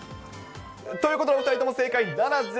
ということでお２人とも正解ならず。